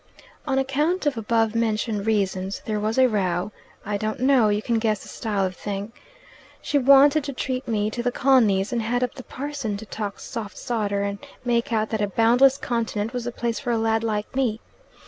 "On account of above mentioned reasons, there was a row. I don't know you can guess the style of thing. She wanted to treat me to the colonies, and had up the parson to talk soft sawder and make out that a boundless continent was the place for a lad like me.